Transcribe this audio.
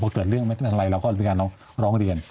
พอเกิดเรื่องไม่ได้ทำอะไรเราก็เป็นการร้องเรียน